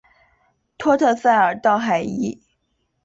托特塞尔道海伊。